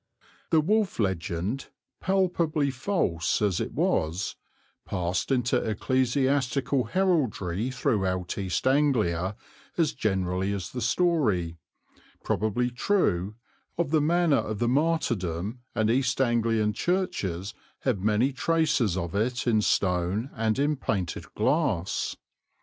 The wolf legend, palpably false as it was, passed into ecclesiastical heraldry throughout East Anglia as generally as the story, probably true, of the manner of the martyrdom, and East Anglian churches have many traces of it in stone and in painted glass.